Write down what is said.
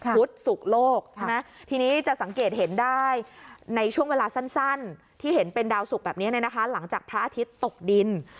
พุทธศุกร์โลกใช่ไหมทีนี้จะสังเกตเห็นได้ในช่วงเวลาสั้นที่เห็นเป็นดาวสุกแบบนี้หลังจากพระอาทิตย์ตกดิน